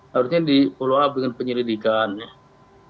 harusnya di follow up dengan penyelidikannya